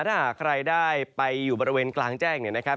ถ้าหากใครได้ไปอยู่บริเวณกลางแจ้งเนี่ยนะครับ